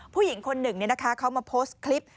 ผู้หญิงคนหนึ่งเขามาโพสต์คลิป